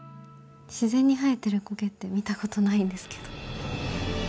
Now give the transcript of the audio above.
自然に生えてる苔って見たことないんですけど。